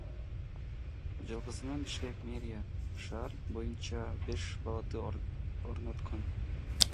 Жалпысынан Бишкек мэриясы шаар боюнча беш балаты орноткон.